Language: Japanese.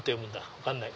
分かんない。